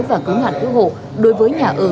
và cưỡng hạn ưu hộ đối với nhà ở